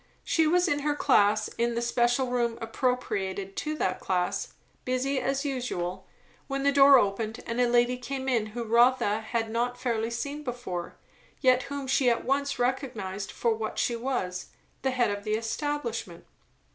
She was in her class, in the special room appropriated to that class, busy as usual; when the door opened and a lady came in whom Rotha had not fairly seen before, yet whom she at once recognized for what she was, the head of the establishment.